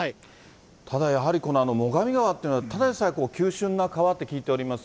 ただやはり、この最上川というのはただでさえ急しゅんな川って聞いております。